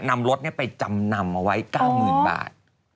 นำรถไปจำนำเอาไว้๙๐๐บาท